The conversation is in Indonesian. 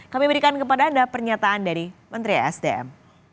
kami berikan kepada anda pernyataan dari menteri sdm